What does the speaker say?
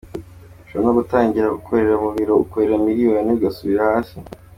Ushobora no gutangira ukorera mu biro ukorera miliyoni, ugasubira hasi.